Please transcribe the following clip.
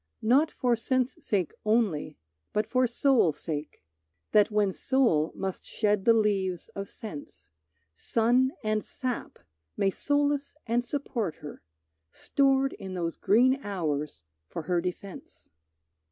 Not for sense sake only, but for soul sake; That when soul must shed the leaves of sense, Sun and sap may solace and support her, Stored in those green hours for her defence.